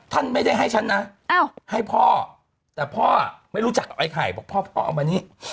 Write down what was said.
ท่านไม่ได้ให้ฉันนะให้พ่อแต่พ่อไม่รู้จักกับไอ้ไข่บอกพ่อเอามานี่